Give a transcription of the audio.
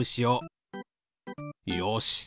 よし。